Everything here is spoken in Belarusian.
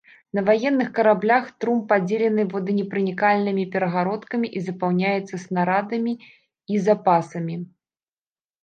На ваенных караблях трум падзелены воданепранікальнымі перагародкамі і запаўняецца снарадамі і запасамі.